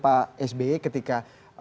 pak sby ketika